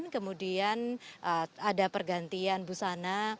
kemudian ada pergantian busana